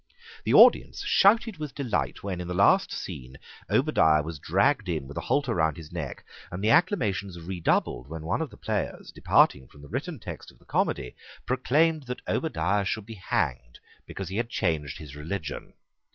The audience shouted with delight when, in the last scene, Obadiah was dragged in with a halter round his neck; and the acclamations redoubled when one of the players, departing from the written text of the comedy, proclaimed that Obadiah should be hanged because he had changed his religion.